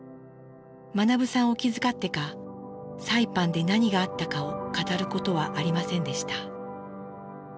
学さんを気遣ってかサイパンで何があったかを語ることはありませんでした。